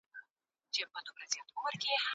حکومت تاجرانو ته اصول وټاکل.